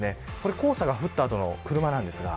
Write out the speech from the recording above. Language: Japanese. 黄砂が降った後の車です。